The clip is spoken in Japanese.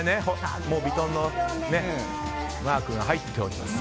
ヴィトンのマークが入っております。